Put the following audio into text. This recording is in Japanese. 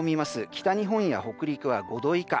北日本や北陸は５度以下。